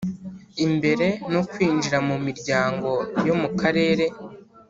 Imbere no kwinjira mu miryango yo mu Karere.